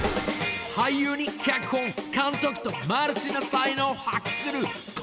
［俳優に脚本監督とマルチな才能を発揮するコント職人］